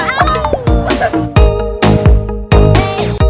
กรุงเทพค่ะ